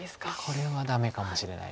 これはダメかもしれないです。